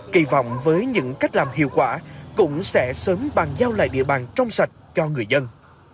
kỳ vọng với những cách làm hiệu quả cũng sẽ sớm bàn giao lại địa bàn trong sạch cho người dân